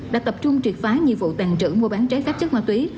đã tập trung truyệt phái nhiệm vụ tàn trữ mua bán trái phép chất ma túy